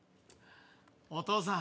お義父さん。